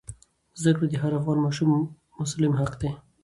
زده کړه د هر افغان ماشوم مسلم حق دی.